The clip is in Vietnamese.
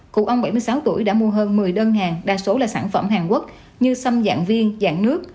cụ ông bảy mươi sáu tuổi đã mua hơn một mươi đơn hàng đa số là sản phẩm hàn quốc như sâm dạng viên dạng nước